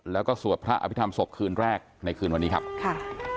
แล้วก็สวดพระอภิษฐรรศพคืนแรกในคืนวันนี้ครับค่ะ